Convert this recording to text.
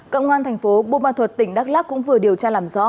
công an thành phố bô ma thuật tỉnh đắk lắc cũng vừa điều tra làm rõ